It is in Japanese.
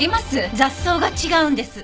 雑草が違うんです。